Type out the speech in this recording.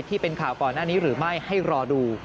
ที่เป็นข่าวก่อนหน้านี้หรือไม่ให้รอดู